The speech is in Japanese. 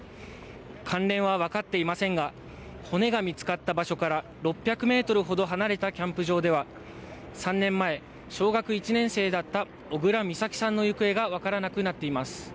関連は分かっていませんが骨が見つかった場所から６００メートルほど離れたキャンプ場では３年前、小学１年生だった小倉美咲さんの行方が分からなくなっています。